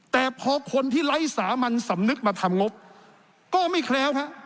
แต่พอคนที่ไร้สามัญสำนึกมาทำงบก็ไม่แคล้วฮะ